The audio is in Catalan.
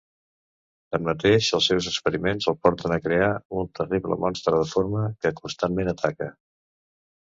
Tanmateix, els seus experiments el porten a crear un terrible monstre deforme; que constantment ataca.